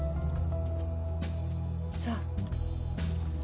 そう。